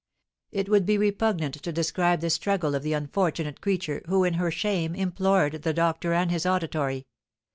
It would be repugnant to describe the struggle of the unfortunate creature, who, in her shame, implored the doctor and his auditory.